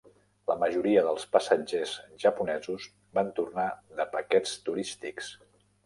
La majoria dels passatgers japonesos van tornar de paquets turístics.